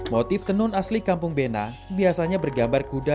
motif tenun asli kampung bena biasanya bergambar kuda